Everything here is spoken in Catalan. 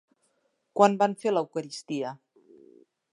Quan van fer l'eucaristia?